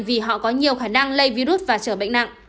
vì họ có nhiều khả năng lây virus và trở bệnh nặng